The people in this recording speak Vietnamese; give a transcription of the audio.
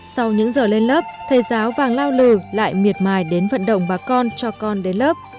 sau những giờ lên lớp thầy giáo vàng lao lừ lại miệt mài đến vận động bà con cho con đến lớp